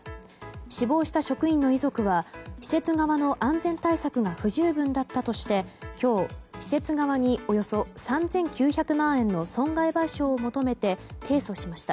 死亡した職員の遺族は施設側の安全対策が不十分だったとして今日、施設側におよそ３９００万円の損害賠償を求めて提訴しました。